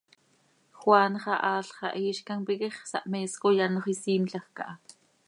Juan xah, aal xah, iizcam piquix, sahmees coi anxö isiimlajc aha.